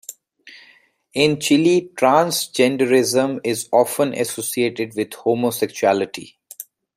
In Chile, transgenderism is often associated with homosexuality.